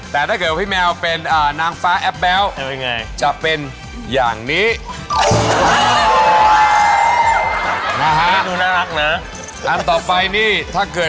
แต่ถ้าเกิดพี่แมวเป็นนางฟ้าแอปแบ๊วจะเป็นอย่างนี้